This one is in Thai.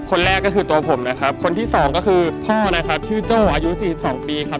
คนแรกก็คือตัวผมนะครับคนที่สองก็คือพ่อนะครับชื่อโจ้อายุสี่สิบสองปีครับ